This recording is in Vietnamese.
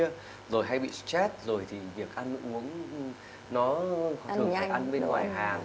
rồi hay bị stress rồi thì việc ăn uống nó thường phải ăn bên ngoài hàng